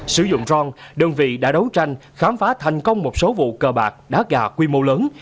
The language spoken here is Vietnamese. sử dụng rong đơn vị đã đấu tranh khám phá thành công một số vụ cờ bạc đá gà quy mô lớn